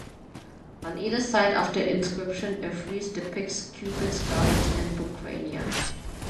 On either side of the inscription, a frieze depicts cupids, garlands and bucrania.